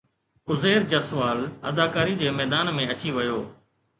عزير جسوال اداڪاري جي ميدان ۾ اچي ويو